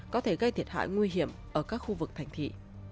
có thể gây thiệt hại nguy hiểm ở các khu vực thành thị